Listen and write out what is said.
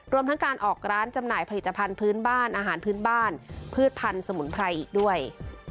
รวมทั้งการออกร้านจำหน่ายผลิตภัณฑ์พื้นบ้านอาหารพื้นบ้านพืชพันธุ์สมุนไพรอีกด้วย